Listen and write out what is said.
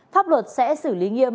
pháp luật sẽ xử lý nghiêm